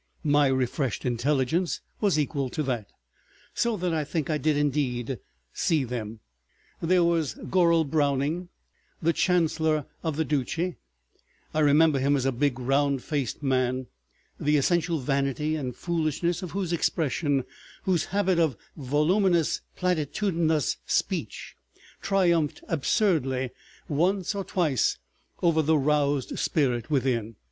My refreshed intelligence was equal to that, so that I think I did indeed see them. There was Gorrell Browning, the Chancellor of the Duchy; I remember him as a big round faced man, the essential vanity and foolishness of whose expression, whose habit of voluminous platitudinous speech, triumphed absurdly once or twice over the roused spirit within.